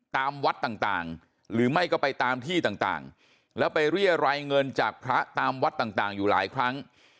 ตามวัดต่างหรือไม่ก็ไปตามที่ต่างแล้วไปเรียรายเงินจากพระตามวัดต่างอยู่หลายครั้ง